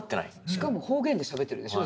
しかも方言でしゃべってるでしょ